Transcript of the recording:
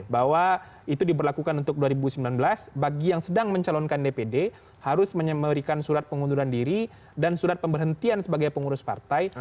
bahwa itu diberlakukan untuk dua ribu sembilan belas bagi yang sedang mencalonkan dpd harus memberikan surat pengunduran diri dan surat pemberhentian sebagai pengurus partai